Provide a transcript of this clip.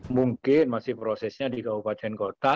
mungkin masih prosesnya dikawal pacen kota